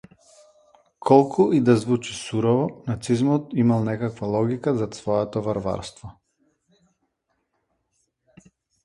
Колку и да е звучи сурово, нацизмот имал некаква логика зад своето варварство.